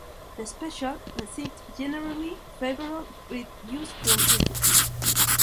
The special received generally favorable reviews from critics.